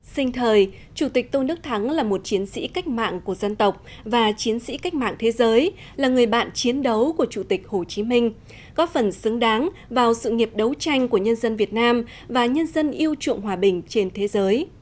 sinh thời chủ tịch tôn đức thắng là một chiến sĩ cách mạng của dân tộc và chiến sĩ cách mạng thế giới là người bạn chiến đấu của chủ tịch hồ chí minh góp phần xứng đáng vào sự nghiệp đấu tranh của nhân dân việt nam và nhân dân yêu chuộng hòa bình trên thế giới